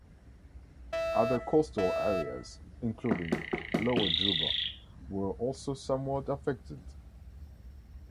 Other coastal areas, including Lower Juba, were also somewhat affected.